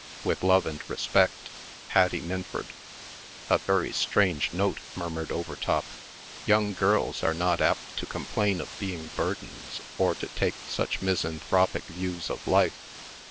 With love and respect, PATTY MINFORD. "A very strange note!" murmured Overtop. "Young girls are not apt to complain of being burdens, or to take such misanthropic views of life.